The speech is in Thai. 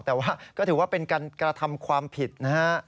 แต่ว่าก็ถือว่าเป็นการกระทำความผิดนะฮะ